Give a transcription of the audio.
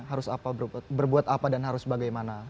harus apa berbuat apa dan harus bagaimana